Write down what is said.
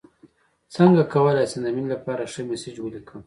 څنګه کولی شم د مینې لپاره ښه میسج ولیکم